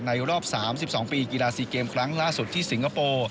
รอบ๓๒ปีกีฬา๔เกมครั้งล่าสุดที่สิงคโปร์